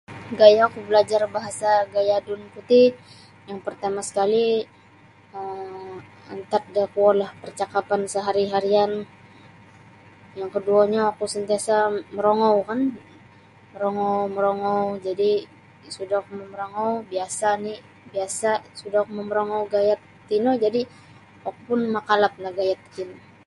Gayaku balajar bahasa gayadunku ti yang partama sekali um antat da kuolah parcakapan sehari-harian yang koduonyo oku santiasa morongoukan morongou morongou jadi sudahku momorongou biasa oni biasa sudah oku momorongou gayad tino jadi oku pun makalaplah da gayad tatino